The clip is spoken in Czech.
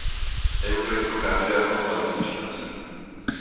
Euro je pro každého velkým přínosem.